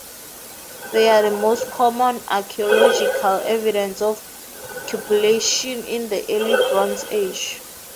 They are the most common archaeological evidence of cupellation in the Early Bronze Age.